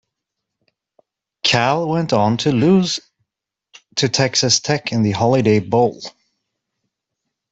Cal went on to lose to Texas Tech in the Holiday Bowl.